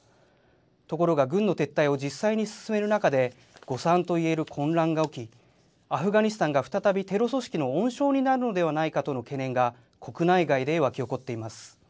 ところが軍の撤退を実際に進める中で、誤算といえる混乱が起き、アフガニスタンが再びテロ組織の温床になるのではないかとの懸念が、国内外で沸き起こっています。